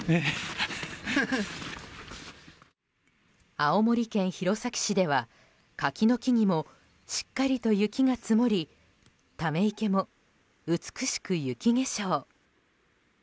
青森県弘前市では柿の木にもしっかりと雪が積もりため池も美しく雪化粧。